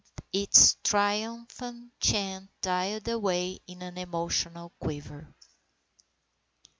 Its triumphant chant died away in an emotional quiver.